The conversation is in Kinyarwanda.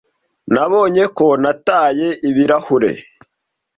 Nabonye ko nataye ibirahure.